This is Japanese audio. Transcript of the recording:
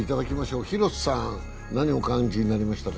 廣瀬さん何をお感じになりましたか？